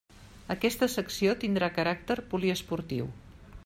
Aquesta secció tindrà caràcter poliesportiu.